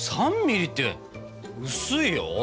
３ミリって薄いよ？